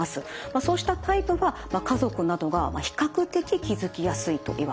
そうしたタイプは家族などが比較的気付きやすいといわれています。